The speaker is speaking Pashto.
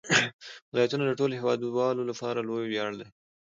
ولایتونه د ټولو هیوادوالو لپاره لوی ویاړ دی.